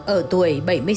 ở tuổi bảy mươi sáu